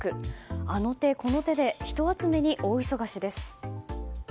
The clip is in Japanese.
あの手この手で人集めに大忙しです。